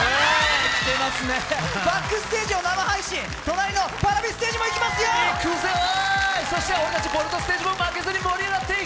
バックステージを生配信、隣のＰａｒａｖｉステージも生配信。